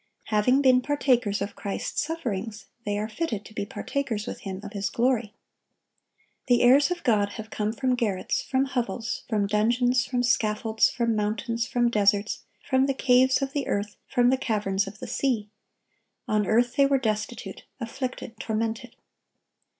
Having been partakers of Christ's sufferings, they are fitted to be partakers with Him of His glory. The heirs of God have come from garrets, from hovels, from dungeons, from scaffolds, from mountains, from deserts, from the caves of the earth, from the caverns of the sea. On earth they were "destitute, afflicted, tormented."